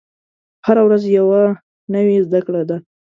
هره ورځ یوه نوې زده کړه ده.